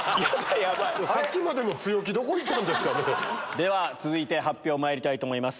では続いて発表まいりたいと思います。